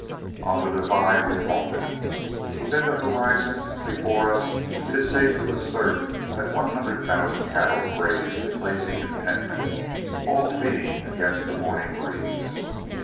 On the divide we halted. Within the horizon before us, it is safe to assert that one hundred thousand cattle grazed in lazy contentment, all feeding against the morning breeze.